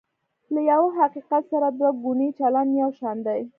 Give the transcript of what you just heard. له یوه حقیقت سره دوه ګونی چلند یو شان دی.